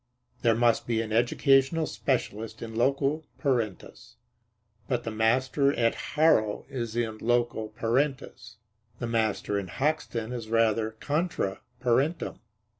There must be an educational specialist in loco parentis. But the master at Harrow is in loco parentis; the master in Hoxton is rather contra parentem.